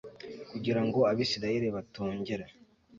kugira ngo abisirayeli batongera